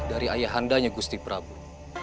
dari ayah handanya gusti prabu